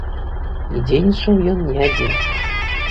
І дзейнічаў ён не адзін.